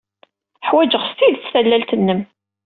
Ḥwajeɣ s tidet tallalt-nnem.